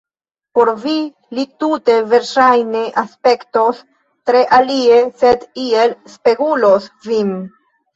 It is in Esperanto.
Por vi li tute verŝajne aspektos tre alie, sed iel spegulos vin.